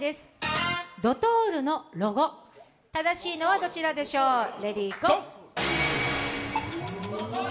ドトールのロゴ、正しいのはどちらでしょう。